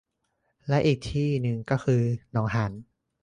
และอีกที่หนึ่งก็คือหนองหาร